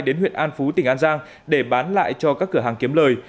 đến huyện an phú tỉnh an giang để bán lại cho các cửa hàng kiếm lời